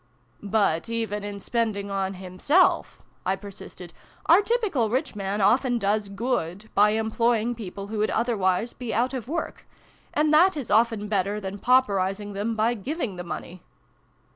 " But, even in spending on himself" I per sisted, " our typical rich man often does good, by employing people who would otherwise be out of work : and that is often better than pauperising them by giving the money."